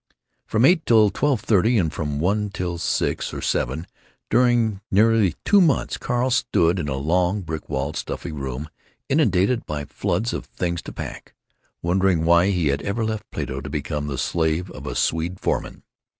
From eight till twelve thirty and from one till six or seven, during nearly two months, Carl stood in a long, brick walled, stuffy room, inundated by floods of things to pack, wondering why he had ever left Plato to become the slave of a Swede foreman.